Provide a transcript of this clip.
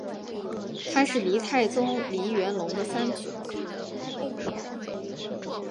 他是黎太宗黎元龙的三子。